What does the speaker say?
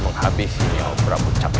jangan banyak bertanya raden